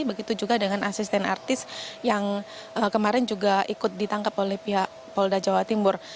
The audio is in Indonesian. begitu juga dengan asisten artis yang kemarin juga ikut ditangkap oleh pihak polda jawa timur